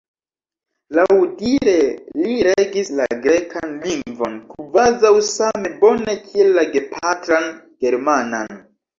Laŭdire li regis la grekan lingvon kvazaŭ same bone kiel la gepatran germanan.